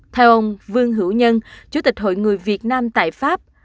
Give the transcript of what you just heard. theo ông vương hữu nhân chủ tịch hội người việt nam tại pháp